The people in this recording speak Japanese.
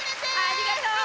ありがとう！